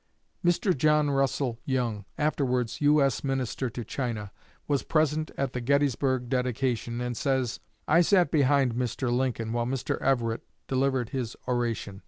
Mr. John Russell Young, afterwards U.S. Minister to China, was present at the Gettysburg dedication, and says: "I sat behind Mr. Lincoln while Mr. Everett delivered his oration.